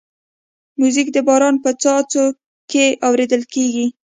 موزیک د باران په څاڅو کې اورېدل کېږي.